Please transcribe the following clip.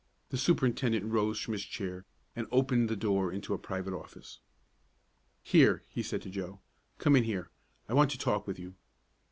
The superintendent rose from his chair, and opened the door into a private office. "Here," he said to Joe; "come in here. I want to talk with you."